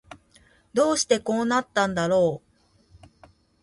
どうしてこうなったんだろう